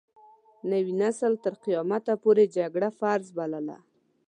نوي نسل تر قيامت پورې جګړه فرض بلله.